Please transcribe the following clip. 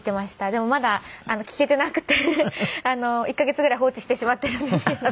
でもまだ聴けてなくて１カ月ぐらい放置してしまってるんですけど。